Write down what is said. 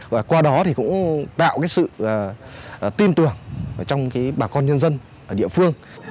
và qua đó cũng tạo sự tin tưởng trong bà con nhân dân